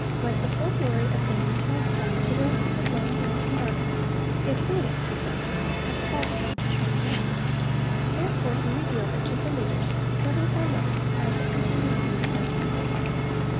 Like the full glory of the noontide sun to those who have long dwelt in darkness, it would, if presented, have caused them to turn away. Therefore He revealed it to the leaders little by little, as it could be received by the people.